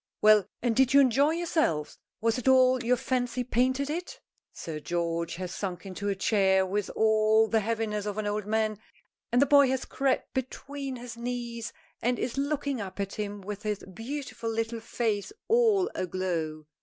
"Well, and did you enjoy yourself? Was it all your fancy painted it?" Sir George has sunk into a chair with all the heaviness of an old man, and the boy has crept between his knees and is looking up at him with his beautiful little face all aglow.